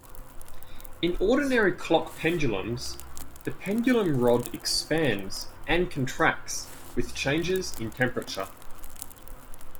In ordinary clock pendulums, the pendulum rod expands and contracts with changes in temperature.